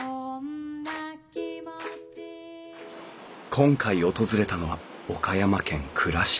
今回訪れたのは岡山県倉敷市。